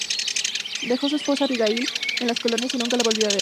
Dejó a su esposa Abigail en las colonias y nunca la volvió a ver.